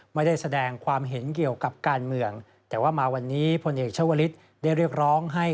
ไม่ได้แสดงความเห็นเกี่ยวกับการเมืองแต่ว่ามาวันนี้พลเอกชาวลิศได้เรียกร้องให้